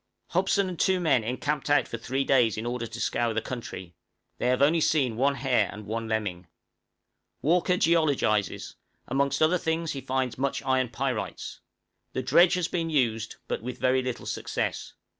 Hobson and two men encamped out for three days in order to scour the country; they have only seen one hare and one lemming! Walker geologizes; amongst other things he finds much iron pyrites. The dredge has been used, but with very little success.